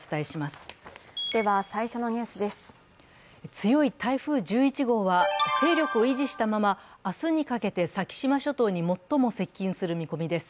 強い台風１１号は勢力を維持したまま明日にかけて先島諸島に最も接近する見込みです。